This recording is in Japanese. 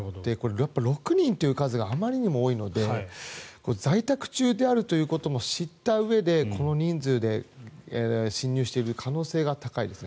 ６人という数があまりにも多いのでこれは在宅中であるということも知ったうえでこの人数で侵入している可能性が高いですね。